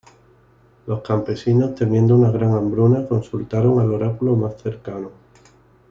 Los campesinos, temiendo una gran hambruna, consultaron al oráculo más cercano.